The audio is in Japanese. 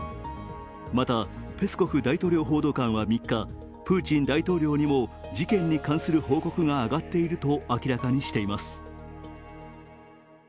また、ペスコフ大統領報道官は３日、プーチン大統領にも事件に関する報告が上がっていると明らかにしています。